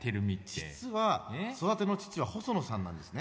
実は育ての父は細野さんなんですね。